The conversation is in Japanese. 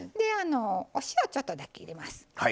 お塩ちょっとだけ入れます。